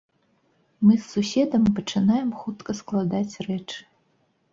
Мы з суседам пачынаем хутка складаць рэчы.